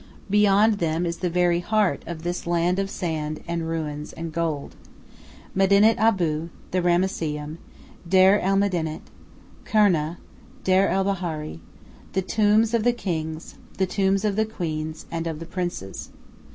Beyond them is the very heart of this "land of sand and ruins and gold"; Medinet Abu, the Ramesseum, Deir el Medinet, Kurna, Deir el Bahari, the tombs of the kings, the tombs of the queens and of the princes.